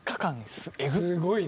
すごいね。